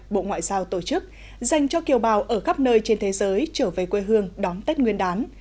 bộ ngoại giao tổ chức dành cho kiều bào ở khắp nơi trên thế giới trở về quê hương đón tết nguyên đán